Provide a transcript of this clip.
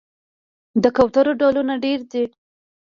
د کوترو ډولونه ډیر دي